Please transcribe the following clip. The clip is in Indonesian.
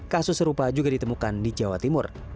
kasus serupa juga ditemukan di jawa timur